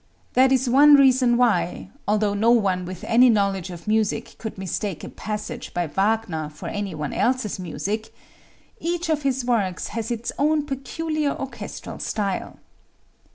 That is one reason why, although no one with any knowledge of music could mistake a passage by Wagner for any one else's music, each of his works has its own peculiar orchestral style.